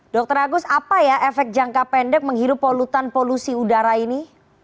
dr agus apa ya efek jangka pendek menghirup polutan polusi udara ini